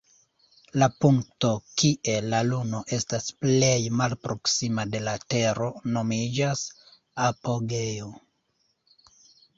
La punkto kie la luno estas plej malproksima de la tero nomiĝas "apogeo".